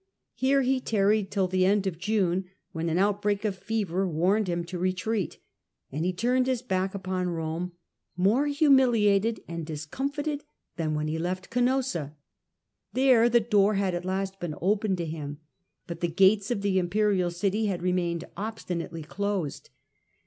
Here he tarried till the end of June, when an outbreak of fever warned him to retreat, and he turned his back upon Rome, more humiliated and discomfited than when he left Ganossa. There the door had at last been opened to him, but the gates of the imperial city had remained obstinately closed.